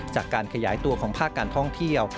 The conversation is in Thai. จากการขยายตัวของภาคการท่องเที่ยว